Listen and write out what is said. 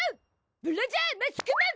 ブラジャーマスクマン！